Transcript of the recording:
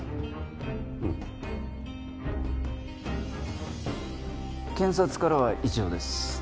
うん検察からは以上です